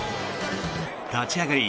立ち上がり